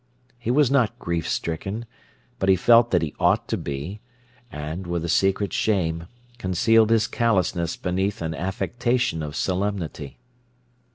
He was not grief stricken; but he felt that he ought to be, and, with a secret shame, concealed his callousness beneath an affectation of solemnity.